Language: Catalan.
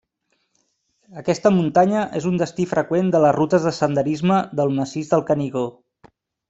Aquesta muntanya és un destí freqüent de les rutes de senderisme del massís del Canigó.